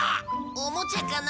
おもちゃかな？